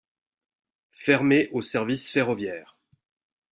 Fermée aux services ferroviaires.